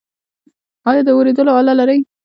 ایا د اوریدلو آله لرئ؟